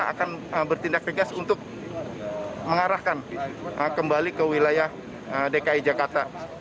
akan bertindak tegas untuk mengarahkan kembali ke wilayah dki jakarta